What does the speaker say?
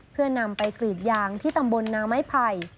เพื่อนำไปกรีดยางที่ตำบลนาไม้ไผ่